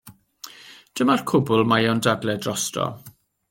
Dyma'r cwbl y mae o'n dadlau drosto.